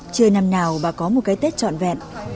chưa năm nào bà có một cái tết trọn vẹn